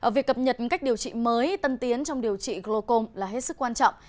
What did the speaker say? việc cập nhật cách điều trị mới tân tiến trong điều trị glocom là hết sức quan trọng